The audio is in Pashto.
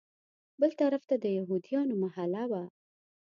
بل طرف ته د یهودیانو محله وه.